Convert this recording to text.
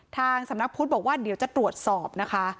ทางสำนักพุทธบอกว่าเดี๋ยวจะตรวจสอบนะคะ